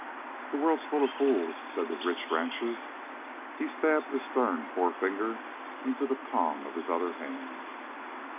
"The world's full of fools," said the rich rancher. He stabbed a stern forefinger into the palm of his other hand.